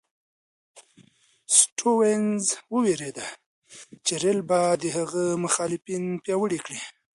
سټیونز وېرېده چې رېل به د هغه مخالفین پیاوړي کړي.